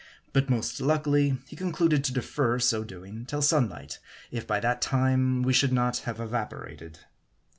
But most luckily, he con cluded to defer so doing till sunlight ; if by that time we should not have evaporated.